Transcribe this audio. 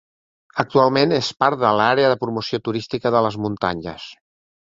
Actualment és part de l'Àrea de promoció turística de les muntanyes.